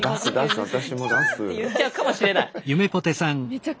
「キャー」って言っちゃうかもしれない。